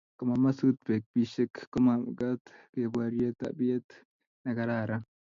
komamasut pek bisiek komakat keporie tapiet nekararan